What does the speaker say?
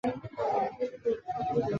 唐朝贞观十七年。